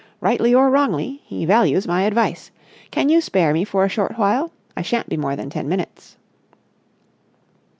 Rightly or wrongly he values my advice. Can you spare me for a short while? I shan't be more than ten minutes."